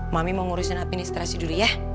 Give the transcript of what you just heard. mami mau ngurusin administrasi dulu ya